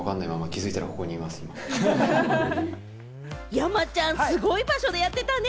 山ちゃん、すごい場所でやってたね。